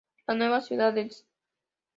La nueva ciudad de St.